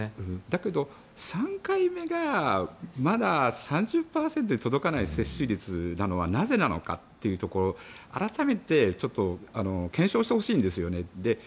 だけど３回目がまだ３０％に届かない接種率なのはなぜなのかというところを改めて検証してほしいんです。